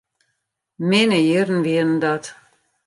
Minne jierren wienen dat.